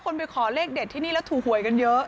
ไปขอเลขเด็ดที่นี่แล้วถูกหวยกันเยอะ